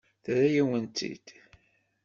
Terra-yawen-tt-id.